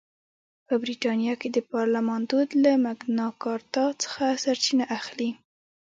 په برېټانیا کې د پارلمان دود له مګناکارتا څخه سرچینه اخیسته.